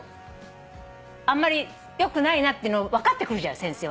あんまりよくないなっていうの分かってくるじゃない先生は。